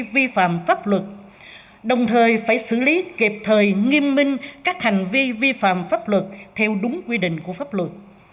vi phạm pháp luật đồng thời phải xử lý kịp thời nghiêm minh các hành vi vi phạm pháp luật theo đúng quy định của pháp luật